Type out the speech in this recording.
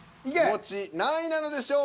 もち何位なのでしょうか。